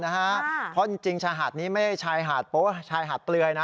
ฮะเพราะจริงจริงชาหดนี่ไม่ใช้ชายหาดตรวยน่ะ